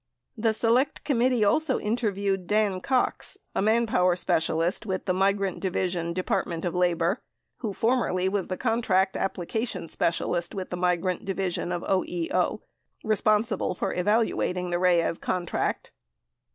The Select Committee also interviewed Dan Cox, a manpower spe cialist with the Migrant Division, Department of Labor, who for merly was the contract application specialist with the Migrant Divi sion of OEO responsible for evaluating the Reyes contract.